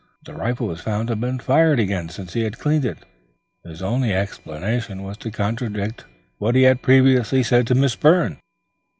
But the rifle was found to have been fired again since he had cleaned it. His only explanation was to contradict what he had previously said to Miss Byrne.